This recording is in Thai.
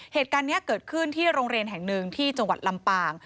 เหตุการณ์นี้เกิดขึ้นที่โรงเรียนแห่งหนึ่งที่จังหวัดลำปาง